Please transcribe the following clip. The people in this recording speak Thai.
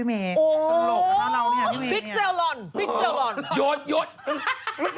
เมฆก็๔ล็อคก็เดินทางสะดวกสิคะ